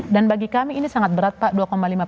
dan bagi kami ini sangat berat pak dua lima